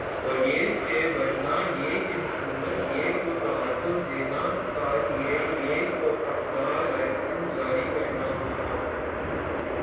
اور یِہ سے بڑھنا یِہ کہ حکومت یِہ کو تحفظ دینا کا لئے یِہ کو اسلحہ لائسنس جاری کرنا ہونا